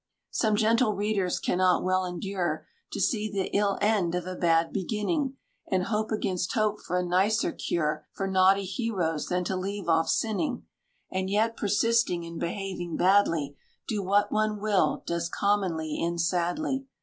Some gentle readers cannot well endure To see the ill end of a bad beginning; And hope against hope for a nicer cure For naughty heroes than to leave off sinning. And yet persisting in behaving badly, Do what one will, does commonly end sadly.